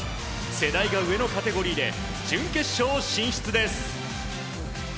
世代が上のカテゴリーで準決勝進出です。